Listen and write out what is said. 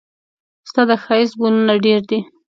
ستا د ښايست ګلونه ډېر دي.